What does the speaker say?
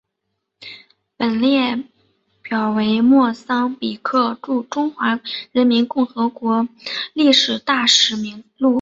本列表为莫桑比克驻中华人民共和国历任大使名录。